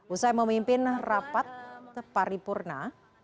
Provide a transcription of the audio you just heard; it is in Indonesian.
usai memimpin rapat paripurna